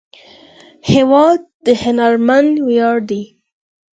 هېواد د هنرمند ویاړ دی.